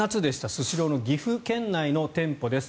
スシローの岐阜県内の店舗です。